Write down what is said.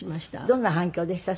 どんな反響でした？